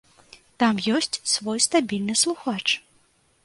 Там ёсць свой стабільны слухач.